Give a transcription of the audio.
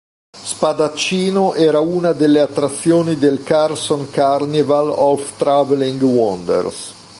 Spadaccino era una delle attrazioni del "Carson Carnival of Traveling Wonders".